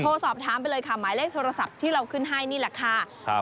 สอบถามไปเลยค่ะหมายเลขโทรศัพท์ที่เราขึ้นให้นี่แหละค่ะครับ